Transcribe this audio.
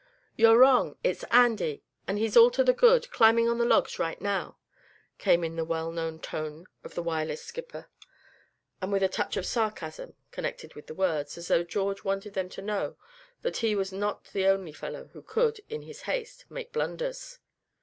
"You're wrong, it's Andy; and he's all to the good; climbing on the logs right now," came in the well known tones of the Wireless skipper, and with a touch of sarcasm connected with the words, as though George wanted them to know that he was not the only fellow who could, in his haste, make blunders.